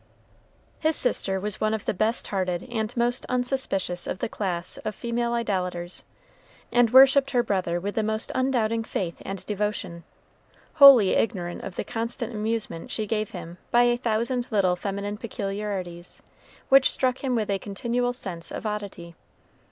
His sister was one of the best hearted and most unsuspicious of the class of female idolaters, and worshiped her brother with the most undoubting faith and devotion wholly ignorant of the constant amusement she gave him by a thousand little feminine peculiarities, which struck him with a continual sense of oddity.